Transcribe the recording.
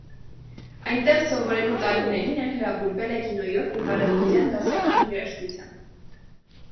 Այնտեղ սովորելու տարիներին էլ հրապուրվել է կինոյով և արևմտյան դասական երաժշտությամբ։